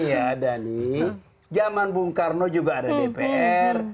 iya dhani zaman bung karno juga ada dpr